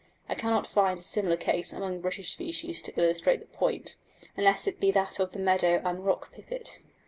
I cannot find a similar case among British species to illustrate this point, unless it be that of the meadow and rock pipit.